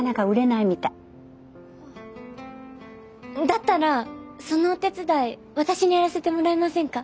だったらそのお手伝い私にやらせてもらえませんか？